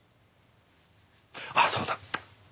あっそうだ。